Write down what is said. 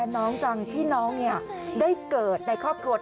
เฮ่ยร้องเป็นเด็กเลยอ่ะภรรยาเซอร์ไพรส์สามีแบบนี้ค่ะ